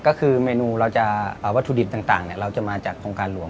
ก็คือเมนูเราจะวัตถุดิบต่างเราจะมาจากโครงการหลวง